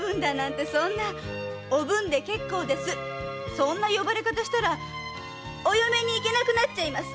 そんな呼ばれかたしたらお嫁に行けなくなっちゃいます。